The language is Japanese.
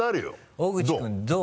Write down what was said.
大口君どう？